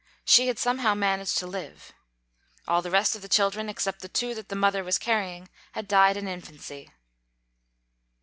She had somehow managed to live. All the rest .of the children, except the two that the mother was carrying, had died in infancy.